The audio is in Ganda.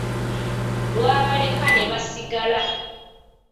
Lyabaleka ne basigala.